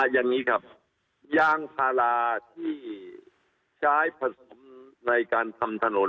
อย่างนี้ครับยางพาราที่ใช้ผสมในการทำถนน